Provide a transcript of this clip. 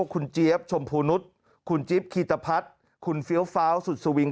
คุณเจี๊ยบชมพูนุษย์คุณจิ๊บคีตพัฒน์คุณเฟี้ยวฟ้าวสุดสวิง